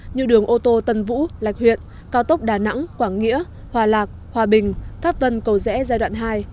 như đường ô tô tân vũ lạch huyện cao tốc đà nẵng quảng nghĩa hòa lạc hòa bình pháp vân cầu rẽ giai đoạn hai